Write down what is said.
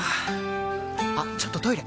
あっちょっとトイレ！